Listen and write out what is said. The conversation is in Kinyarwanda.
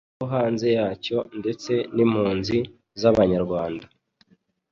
abo hanze yacyo ndetse n'impunzi z'abanyarwanda.